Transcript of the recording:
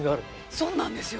そうなんですよ。